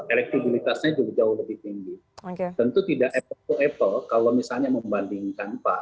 elektriklitasnya juga jauh lebih tinggi tentu tidak efektif kalau misalnya membandingkan pak